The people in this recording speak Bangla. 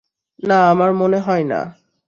না, আমার মনে হয় না।